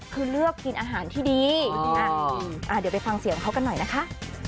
คือเลือกกินอาหารที่ดีเดี๋ยวไปฟังเสียงเขากันหน่อยนะคะ